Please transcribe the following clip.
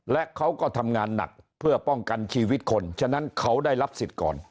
และเขาก็ทำงานหนักเพื่อป้องกันชีวิตคนฉะนั้นเขาได้รับสิทธิ์ก่อน